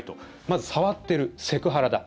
まず、触ってるセクハラだ。